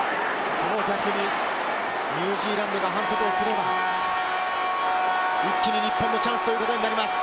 ニュージーランドが反則をすれば一気に日本のチャンスとなります。